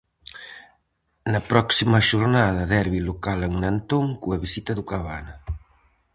Na próxima xornada, derbi local en Nantón, coa visita do Cabana.